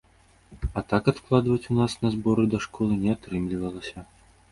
А так адкладваць у нас на зборы да школы не атрымлівалася.